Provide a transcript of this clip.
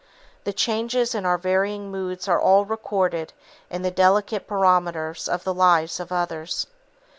The changes in our varying moods are all recorded in the delicate barometers of the lives of others.